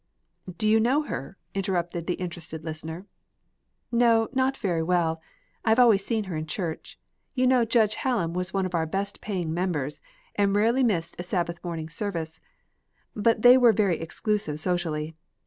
"Do you know her?" interrupted the interested listener. "No, not very well. I've always seen her in Church; you know Judge Hallam was one of our best paying members, and rarely missed a Sabbath morning service. But they were very exclusive socially.